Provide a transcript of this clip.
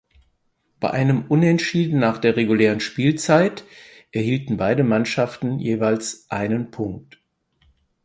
Bei einem Unentschieden nach der regulären Spielzeit erhielten beide Mannschaften jeweils einen Punkt.